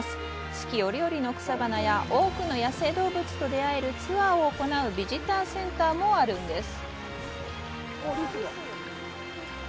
四季折々の草花や多くの野生動物と出会えるツアーを行うビジターセンターもあるんです。